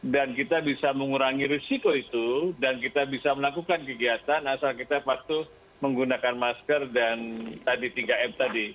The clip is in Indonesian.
dan kita bisa mengurangi risiko itu dan kita bisa melakukan kegiatan asal kita waktu menggunakan masker dan tadi tiga m tadi